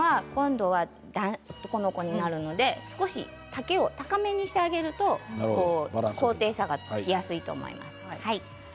男の子になるので少し丈を高めにしてあげると高低差がつきやすいと思います。